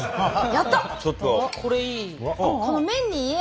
やった！